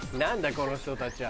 この人たちは。